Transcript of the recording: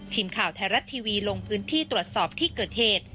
ทีมข่าวไทยรัฐทีวีลงพื้นที่ตรวจสอบที่เกิดเหตุ